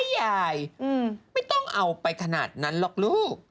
ยายไม่ต้องเอาไปขนาดนั้นหรอกลูก